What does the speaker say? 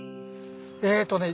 えっとね。